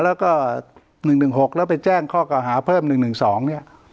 แล้วก็หนึ่งหนึ่งหกแล้วไปแจ้งข้อเก่าหาเพิ่มหนึ่งหนึ่งสองเนี้ย